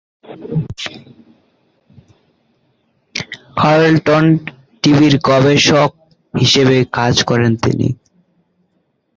Carlton টিভি’র গবেষক হিসেবে কাজ করেন তিনি।